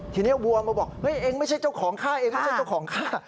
ทีนี้วัวมาบอกเนี่ยเองไม่ใช่เจ้าของข้า